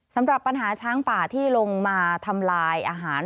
สำหรับปัญหาช้างป่าที่ลงมาทำลายอาหาร